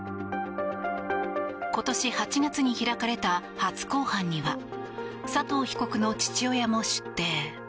今年８月に開かれた初公判には佐藤被告の父親も出廷。